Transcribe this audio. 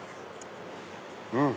うん！